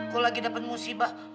gua lagi dapet musibah